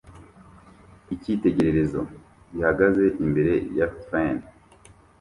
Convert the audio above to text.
Icyitegererezo gihagaze imbere ya fern